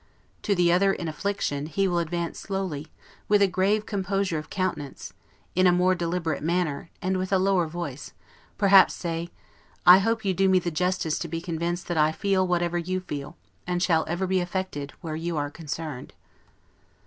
to the other in affliction, he will advance slowly, with a grave composure of countenance, in a more deliberate manner, and with a lower voice, perhaps say, "I hope you do me the justice to be convinced that I feel whatever you feel, and shall ever be affected where you are concerned."